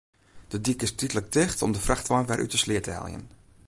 De dyk is tydlik ticht om de frachtwein wer út de sleat te heljen.